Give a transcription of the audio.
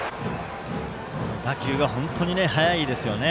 打球が本当に速いですね。